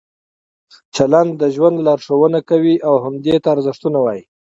چلند د ژوند لارښوونه کوي او همدې ته ارزښتونه وایي.